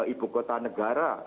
ibu kota negara